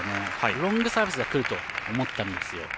ロングサービスがくると思ったんですよ。